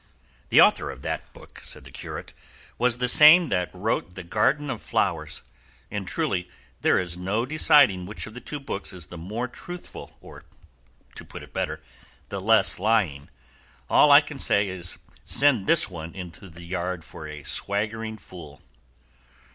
'" "The author of that book," said the curate, "was the same that wrote 'The Garden of Flowers,' and truly there is no deciding which of the two books is the more truthful, or, to put it better, the less lying; all I can say is, send this one into the yard for a swaggering fool."